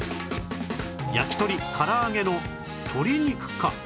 焼き鳥から揚げの鶏肉か？